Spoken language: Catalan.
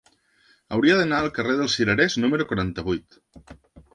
Hauria d'anar al carrer dels Cirerers número quaranta-vuit.